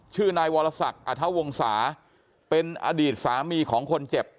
ชื่อนายวรศักดิ์อัธวงศาเป็นอดีตสามีของคนเจ็บ